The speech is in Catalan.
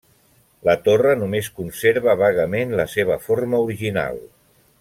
La torre només conserva vagament la seva forma original.